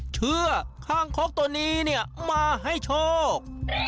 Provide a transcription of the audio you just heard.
เชื่อคางคกตัวนี้เนี่ยมาให้โชค